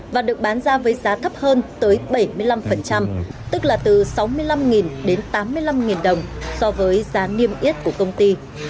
và được bán ra với giá thấp hơn tới bảy mươi năm tức là từ sáu mươi năm đến tám mươi năm đồng so với giá niêm yết của công ty